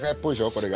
これが。